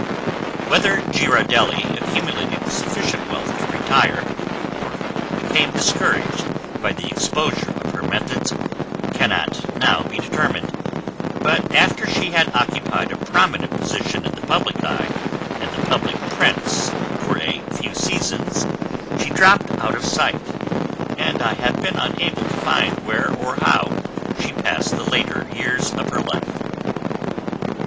Whether Girardelli accumulated sufficient wealth to retire or became discouraged by the exposure of her methods cannot now be determined, but after she had occupied a prominent position in the public eye and the public prints for a few seasons she dropped out of sight, and I have been unable to find where or how she passed the later years of her life.